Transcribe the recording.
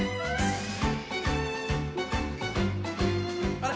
あれ？